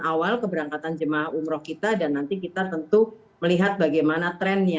awal keberangkatan jemaah umroh kita dan nanti kita tentu melihat bagaimana trennya